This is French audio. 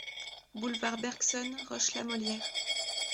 Boulevard Bergson, Roche-la-Molière